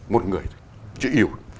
một người thôi chữ yêu